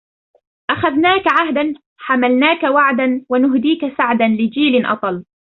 أخذناك عهدا حملناك وعدا ونهديك سعدا لجيل أطل